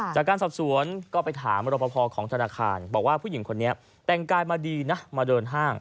จากการสอบสวนก็ไปถามรบพอของธนาคารบอกว่าผู้หญิงคนนี้แต่งกายมาดีนะมาเดินห้าง